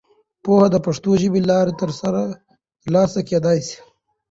پوهه د پښتو ژبې له لارې ترلاسه کېدای سي.